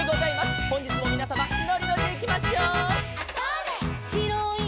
「ほんじつもみなさまのりのりでいきましょう」